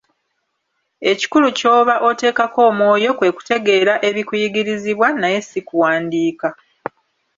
Ekikulu ky'oba oteekako omwoyo kwe kutegeera ebikuyigirizibwa, naye ssi kuwandiika.